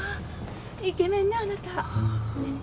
イケメンねあなた！